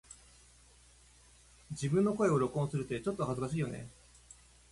自分の声を録音するってちょっと恥ずかしいよね🫣